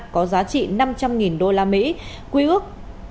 có giá trị năm trăm linh đô la mỹ quy ước